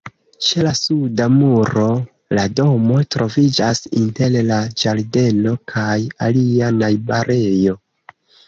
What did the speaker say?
Ĉe la suda muro, la domo troviĝas inter la ĝardeno kaj alia najbarejo.